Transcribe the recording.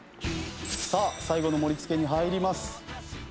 さあ最後の盛り付けに入ります。